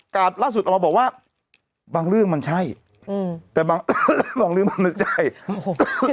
การ์ดล่าสุดเราบอกว่าบางเรื่องมันใช่อืมแต่บางบางเรื่องมันใช่โอ้โห